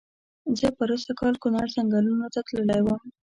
زه پرو سږ کال کونړ ځنګلونو ته تللی وم.